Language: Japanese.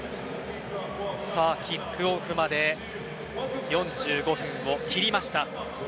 さあキックオフまで４５分を切りました。